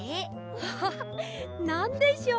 アハハなんでしょう？